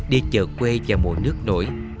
đi chợ quê và mùa nước nổi